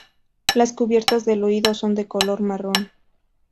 Las cubiertas del oído son de color marrón.